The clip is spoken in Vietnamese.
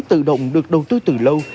tự động được đầu tư từ lâu